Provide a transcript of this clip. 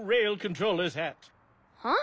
はあ？